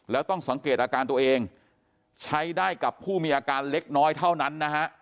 แล้วต้องสังเกตอาการตัวเองใช้ได้กับผู้มีอาการเล็กน้อยเท่านั้นนะฮะ